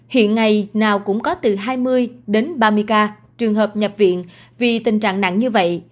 hiện ngày nào cũng có từ hai mươi đến ba mươi ca trường hợp nhập viện vì tình trạng nặng như vậy